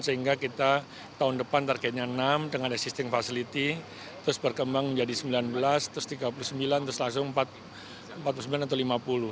sehingga kita tahun depan targetnya enam dengan existing facility terus berkembang menjadi sembilan belas terus tiga puluh sembilan terus langsung empat puluh sembilan atau lima puluh